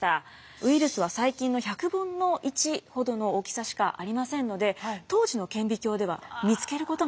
ウイルスは細菌の１００分の１ほどの大きさしかありませんので当時の顕微鏡では見つけることができなかったんですね。